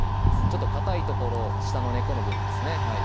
ちょっとかたい所下の根っこの部分ですね